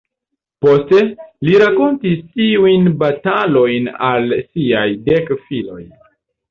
Poste, li rakontis tiujn batalojn al siaj dek filoj.